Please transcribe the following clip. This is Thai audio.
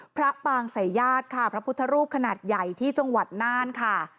ปางสายญาติค่ะพระพุทธรูปขนาดใหญ่ที่จังหวัดน่านค่ะ